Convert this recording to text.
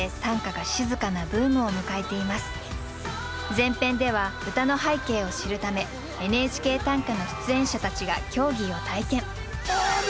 前編では歌の背景を知るため「ＮＨＫ短歌」の出演者たちが競技を体験。